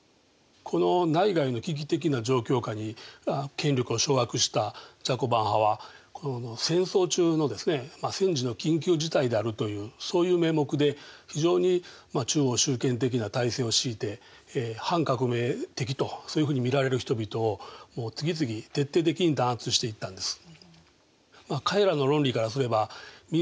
この内外の危機的な状況下に権力を掌握したジャコバン派はこの戦争中の戦時の緊急事態であるというそういう名目で非常に中央集権的な体制を敷いて反革命的とそういうふうに見られる人々を次々徹底的に弾圧していったんです。